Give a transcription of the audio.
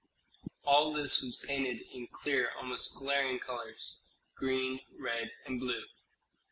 All this was painted in clear, almost glaring colors, green, red, and blue.